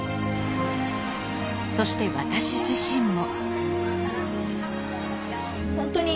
そして私自身も。